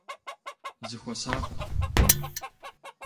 Зыхуэсакъ!